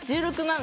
１６万